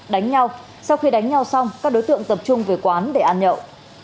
đánh nhau sau khi đánh nhau xong các đối tượng tập trung về quán để ăn nhậu